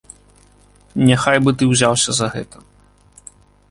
Няхай бы ты ўзяўся за гэта.